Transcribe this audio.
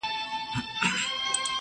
سیاست په ټولنه کي یوه هڅه نه وه.